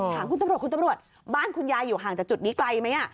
ถามคุณตำรวจคุณตำรวจบ้านคุณยายอยู่ห่างจากจุดนี้ไกลไหม